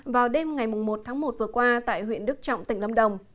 vào đêm ngày một tháng một vừa qua tại huyện đức trọng tỉnh lâm đồng